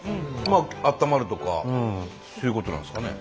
温まるとかそういうことなんですかね。